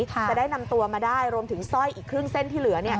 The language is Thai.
จะได้นำตัวมาได้รวมถึงสร้อยอีกครึ่งเส้นที่เหลือ